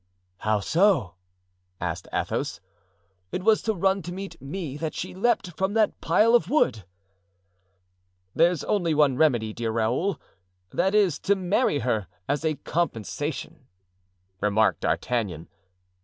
"How so?" asked Athos. "It was to run to meet me that she leaped from that pile of wood." "There's only one remedy, dear Raoul—that is, to marry her as a compensation." remarked D'Artagnan.